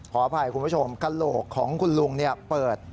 ขออภัยคุณผู้ชมกระโหลกของคุณลุงเปิด